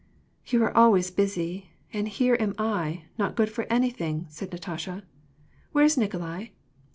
"You are always busy; and here am I, not good for any thing," said Natasha. " Where is Nikolai